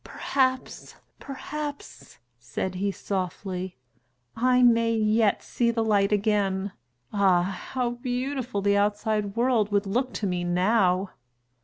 "Perhaps, perhaps," said he softly, "I may yet see the light again. Ah, how beautiful the outside world would look to me now!"